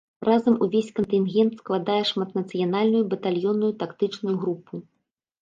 Разам увесь кантынгент складае шматнацыянальную батальённую тактычную групу.